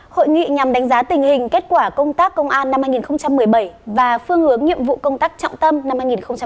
hội nghị nhằm đánh giá tình hình kết quả công tác công an năm hai nghìn một mươi bảy và phương hướng nhiệm vụ công tác trọng tâm năm hai nghìn hai mươi